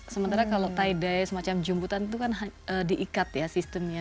sementara kalau taidai semacam jemputan itu kan diikat ya sistemnya